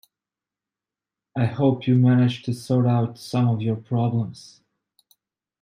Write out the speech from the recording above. I hope you managed to sort out some of your problems.